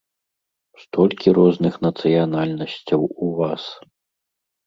Столькі розных нацыянальнасцяў у вас.